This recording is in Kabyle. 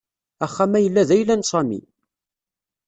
Axxam-a yella d ayla n Sami.